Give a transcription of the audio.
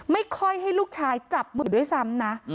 ไม่ค่อยให้ลูกชายจับมือด้วยซ้ำนะ